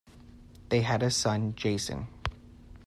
They had a son, Jason.